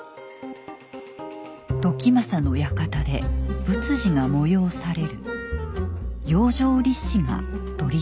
「時政の館で仏事が催される」。